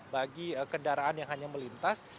bagi kendaraan yang hanya melintas